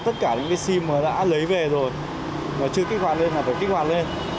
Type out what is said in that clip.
tất cả những sim đã lấy về rồi mà chưa kích hoạt lên là phải kích hoạt lên